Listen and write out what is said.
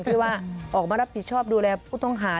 ที่ว่าออกมารับผิดชอบดูแลผู้ต้องหา